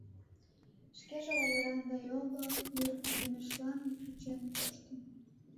Шкеже, лавыран да його, йыр кундемлаште кӱчен коштын.